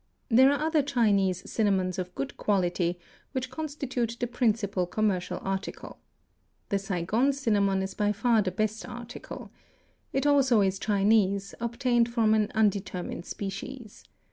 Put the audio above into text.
There are other Chinese cinnamons of good quality which constitute the principal commercial article. The Saigon cinnamon is by far the best article. It also is Chinese, obtained from an undetermined species.